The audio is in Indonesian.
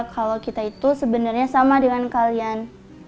kalau kita itu sebenarnya sama dengan kalian